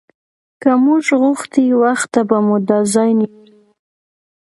که موږ غوښتی وخته به مو دا ځای نیولی و.